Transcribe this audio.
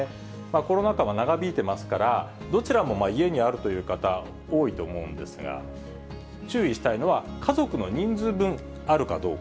コロナ禍が長引いてますから、どちらも家にあるという方、多いと思うんですが、注意したいのは家族の人数分、あるかどうか。